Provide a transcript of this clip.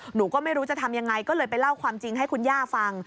หนูก็ไม่รู้จะทำยังไงก็เลยไปเล่าความจริงให้คุณย่าฟัง